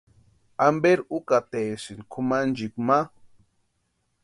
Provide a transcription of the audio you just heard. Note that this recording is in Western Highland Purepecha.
¿Amperi úkataesïni kʼumanchikwa ma?